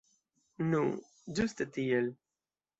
Nu, ĝuste tiel.